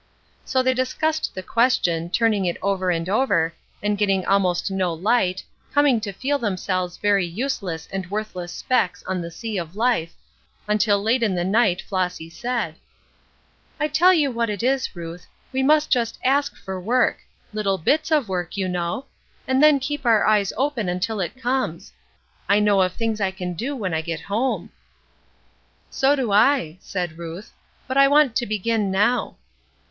So they discussed the question, turning it over and over, and getting almost no light, coming to feel themselves very useless and worthless specks on the sea of life, until late in the night Flossy said: "I'll tell you what it is, Ruth, we must just ask for work little bits of work, you know and then keep our eyes open until it comes. I know of things I can do when I get home." "So do I," said Ruth, "but I want to begin now."